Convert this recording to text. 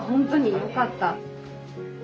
よかった。